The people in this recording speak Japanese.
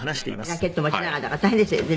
「ラケットを持ちながらだから大変ですよね。